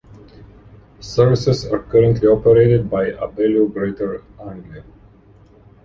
Services are currently operated by Abellio Greater Anglia.